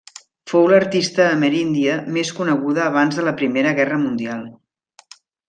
Fou l'artista ameríndia més coneguda abans de la Primera Guerra Mundial.